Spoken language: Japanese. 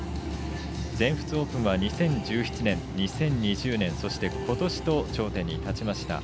全仏オープンは２０１７年、２０２０年そしてことしと頂点に立ちました。